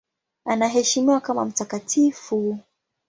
Anaheshimiwa kama mtakatifu.